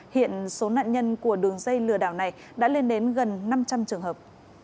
hiện số nạn nhân của đường dây lừa đảo này đã lên đến gần năm trăm linh trường hợp